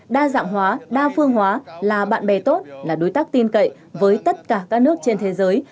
đa dạng hóa đa phương hóa là bạn bè tốt là đối tác tin cậy với tất cả các nước trên thế giới